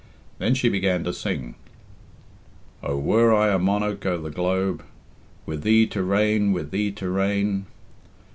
Then she began to sing, O were I monarch o' the globe, Wi' thee to reign, wi' thee to reign.